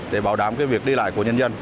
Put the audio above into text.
để bảo đảm việc đi lại của nhân dân